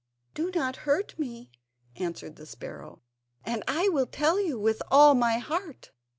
"Do not hurt me," answered the sparrow, "and I will tell you with all my heart."